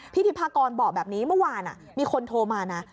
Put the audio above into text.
ธิภากรบอกแบบนี้เมื่อวานมีคนโทรมานะ